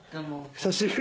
久しぶり！